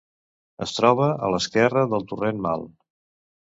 Es troba a l'esquerra del torrent Mal.